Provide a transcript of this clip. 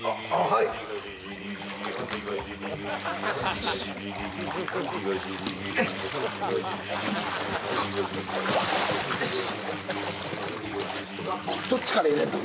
はいどっちから入れんだ